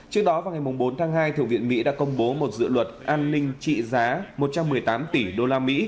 trước đó vào ngày bốn tháng hai thượng viện mỹ đã công bố một dự luật an ninh trị giá một trăm một mươi tám tỷ usd